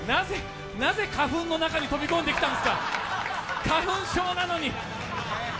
なぜ花粉の中に飛び込んできたんですか、花粉症なのに。